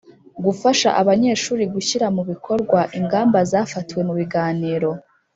Gufasha abanyeshuri gushyira mu bikorwa ingamba zafatiwe mu biganiro